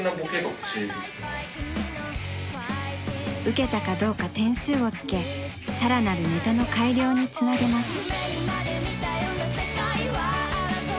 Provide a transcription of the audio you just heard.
ウケたかどうか点数をつけ更なるネタの改良につなげます。